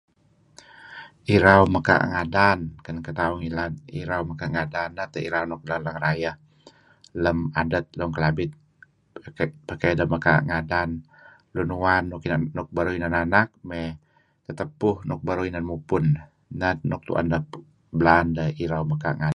Irau mekaa' ngadan ken keditauh ngilad. Tauh mekaa' ngadan th irau leng-leng rayeh. Lem adet Lun Kelabit pakai ideh mekaa' ngadan lun uwan nuk beruh inan anak may tetapu nuk bruh inan mupun. Ineh nuk belaan deh kuh irau mekaa' ngadan.